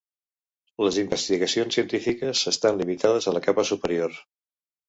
Les investigacions científiques estan limitades a la capa superior.